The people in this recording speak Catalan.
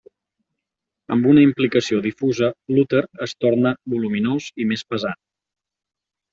Amb una implicació difusa, l'úter es torna voluminós i més pesat.